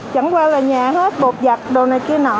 chẳng qua là nhà nó hết bột giặt đồ này kia nọ